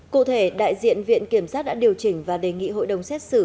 cụ thể đại diện viện kiểm sát đã điều chỉnh và đề nghị cho toàn bộ một mươi năm bị cáo trong vụ án